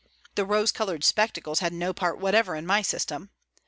The rose coloured spectacles had no part whatever in my system.